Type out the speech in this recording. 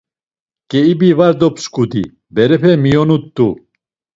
Ǩeibi var dopsǩudi, berepe miyonut̆u.